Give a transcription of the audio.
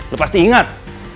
lu pasti ingat